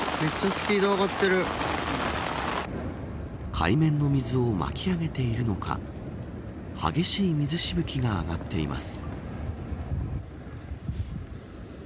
海面の水を巻き上げているのか激しい水しぶきが上がっています。